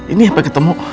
ianya sampe ketemu